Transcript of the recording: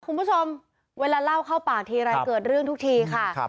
คุณผู้ชมเวลาเล่าเข้าปากทีไรเกิดเรื่องทุกทีค่ะ